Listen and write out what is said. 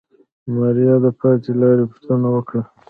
ماريا د پاتې لارې پوښتنه وکړه.